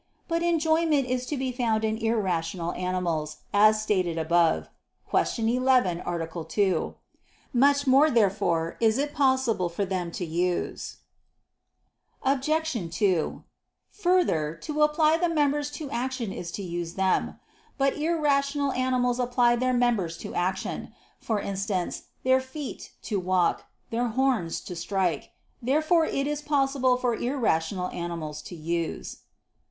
But enjoyment is to be found in irrational animals, as stated above (Q. 11, A. 2). Much more, therefore, is it possible for them to use. Obj. 2: Further, to apply the members to action is to use them. But irrational animals apply their members to action; for instance, their feet, to walk; their horns, to strike. Therefore it is possible for irrational animals to use.